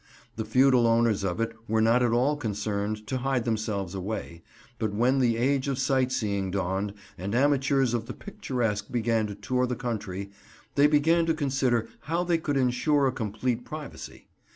The feudal owners of it were not at all concerned to hide themselves away, but when the age of sight seeing dawned and amateurs of the picturesque began to tour the country, they began to consider how they could ensure a complete privacy.